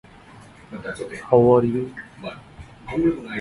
Currently the company consists of five departments.